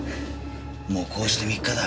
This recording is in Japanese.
もうこうして３日だ。